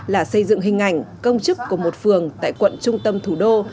là xây dựng hình ảnh công chức của một phường tại quận trung tâm thủ đô